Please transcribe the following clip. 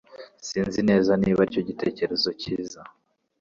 Sinzi neza niba aricyo gitekerezo cyiza